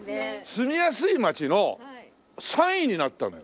住みやすい街の３位になったのよ。